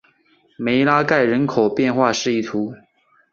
梅拉盖人口变化图示